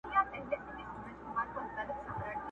مُلا وویل سلطانه ستا قربان سم٫